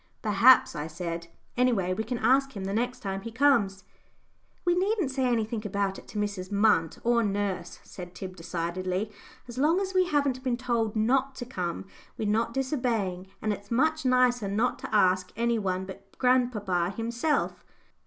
"Perhaps," I said; "anyway we can ask him the next time he comes." "We needn't say anything about it to Mrs. Munt, or nurse," said Tib, decidedly. "As long as we haven't been told not to come, we're not disobeying, and it's much nicer not to ask any one but grandpapa himself."